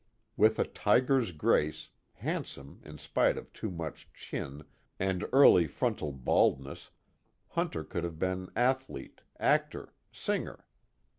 With a tiger's grace, handsome in spite of too much chin and early frontal baldness, Hunter could have been athlete, actor, singer.